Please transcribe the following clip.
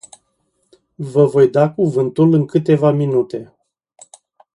Vă voi da cuvântul în câteva minute.